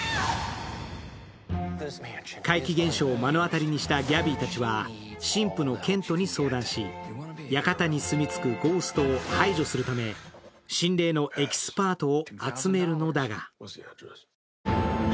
怪奇現象を目の当たりにしたギャビーたちは神父のケントに相談し館に住み着くゴーストを排除するため心霊のエキスパートを。